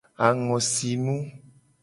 Angosinu.